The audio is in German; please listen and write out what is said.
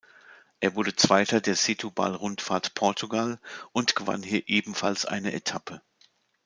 Er wurde Zweiter der Setubal-Rundfahrt Portugal und gewann hier ebenfalls eine Etappe.